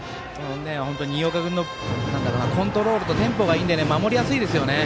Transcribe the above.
本当に新岡君のコントロールとテンポがいいんで守りやすいですよね。